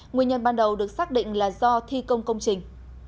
nguyên nhân ban đầu được xác định là do thi công công trình